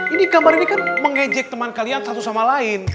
ini kabar ini kan mengejek teman kalian satu sama lain